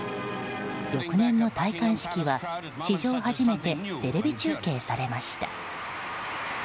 翌年の戴冠式は史上初めてテレビ中継されました。